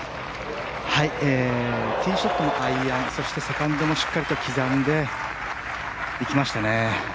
ティーショットのアイアンそしてセカンドもしっかりと刻んでいきましたね。